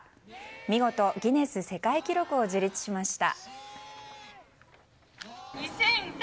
見事、ギネス世界記録を樹立しました。